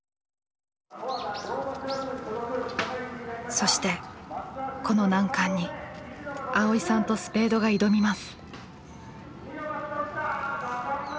そしてこの難関に蒼依さんとスペードが挑みます。